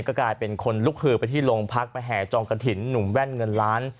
ก็กลายเป็นคนลุกฮือไปที่โรงพักไปแห่จองกระถิ่นหนุ่มแว่นเงินล้าน